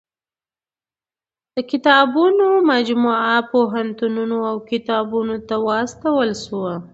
د کتابونو مجموعه پوهنتونونو او کتابتونو ته واستول شوه.